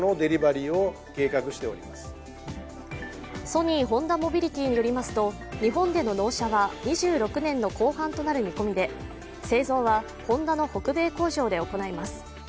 ソニー・ホンダモビリティによりますと、日本での納車は２６年の後半となる見込みで、製造はホンダの北米工場で行います。